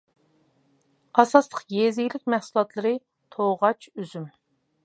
ئاساسلىق يېزا ئىگىلىك مەھسۇلاتلىرى توغاچ، ئۈزۈم.